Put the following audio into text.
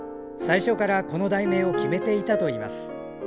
最初からこの題名を決めていたといいます。